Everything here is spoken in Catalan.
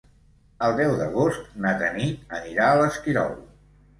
El deu d'agost na Tanit anirà a l'Esquirol.